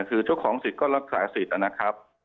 คือเจ้าของสิทธิ์ก็รักษาสิทธิ์นะครับ